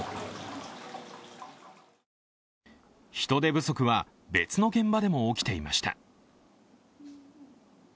人手不足は別の現場でも起きていました。